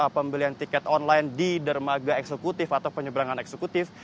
pembelian tiket online di dermaga eksekutif atau penyeberangan eksekutif